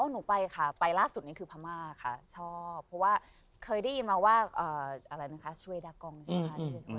หนูไปค่ะไปล่าสุดนี้คือพม่าค่ะชอบเพราะว่าเคยได้ยินมาว่าอะไรนะคะช่วยดักกองใช่ไหมคะ